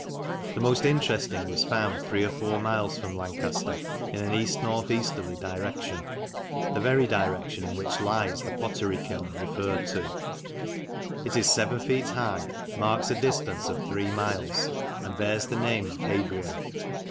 The most interesting was found three or four miles from Lancaster in an east north easterly direction, the very direction in which lies the pottery kiln referred to. It is seven feet high, marks a distance of three miles, and bears the name of Hadrian.